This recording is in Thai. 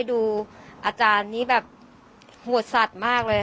ดูอาจารย์นี้แบบหัวสัดมากเลยเออ